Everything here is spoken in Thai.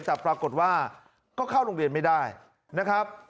แต่ปรากฏว่าก็เข้าโรงเรียนไม่ได้นะครับ